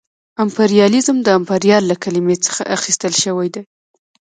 امپریالیزم د امپریال له کلمې څخه اخیستل شوې ده